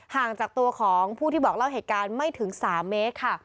ห่างจากตัวของผู้ที่บอกเล่าเหตุการณ์ไม่ถึง๓เมตรค่ะ